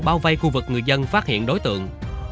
bao vây khu vực người dân phát hiện đối tượng